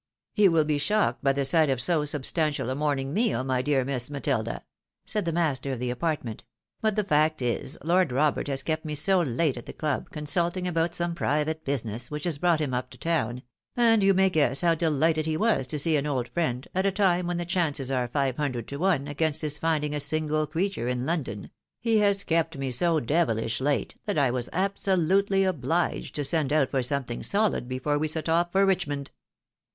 " You wiU be shocked by the sight of so substantial a morn ing meal, my dear Miss Matilda," said the master of the apart ment ;" but the fact is, Lord Robert has. kept me so late at the club, consulting about some private business, which has brought him up to town — and you may guess how delighted he was to see a,n old friend, at a time when the chances are five hundred to one against his finding a single creature in London — he has kept me so devilish late, that I was absolutely obhged to send out for something solid before we set off for Richmond."